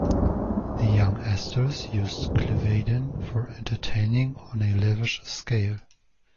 The young Astors used Cliveden for entertaining on a lavish scale.